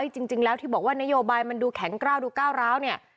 จริงแล้วที่บอกว่านโยบายมันดูแข็งกล้าวดูก้าวร้าวเนี่ย